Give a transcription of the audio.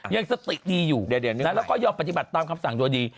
ยังสติดีอยู่แล้วก็ยอมปฏิบัติตามคำสั่งโดยดี